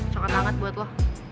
coklat banget buat lo